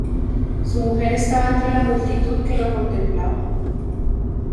Su mujer estaba entre la multitud que lo contemplaba.